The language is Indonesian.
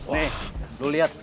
nih lu liat